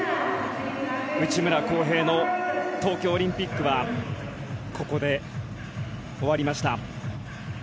内村航平の東京オリンピックはここで終わりました。